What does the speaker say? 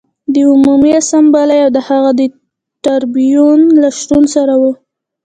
د عمومي اسامبلې او د هغې د ټربیون له شتون سره و